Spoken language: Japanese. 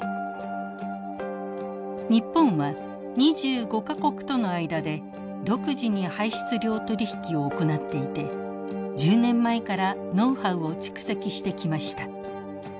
日本は２５か国との間で独自に排出量取引を行っていて１０年前からノウハウを蓄積してきました。